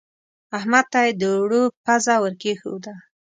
احمد ته يې د اوړو پزه ور کېښوده.